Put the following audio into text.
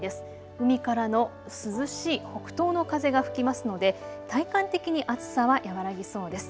海からの涼しい北東の風が吹きますので体感的に暑さは和らぎそうです。